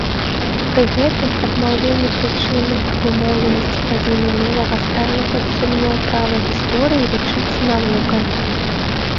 Пры гэтым адмаўленне прычыннай абумоўленасці падзей мінулага ставіла пад сумнеў права гісторыі лічыцца навукай.